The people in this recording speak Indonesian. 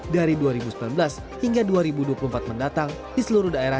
dari dua ribu sembilan belas hingga dua ribu dua puluh empat mendatang di seluruh daerah